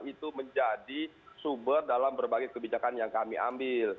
itu menjadi sumber dalam berbagai kebijakan yang kami ambil